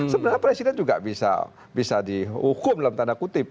sebenarnya presiden juga bisa dihukum dalam tanda kutip